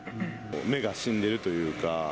目が死んでるというか。